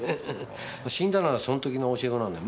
死んだのはその時の教え子なんだよ。